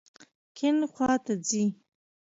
کیڼ خواته ځئ